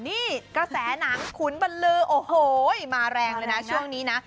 นี่กระแสหนังขุนบรรลือโอ้โหมาแรงเลยนะช่วงนี้นะ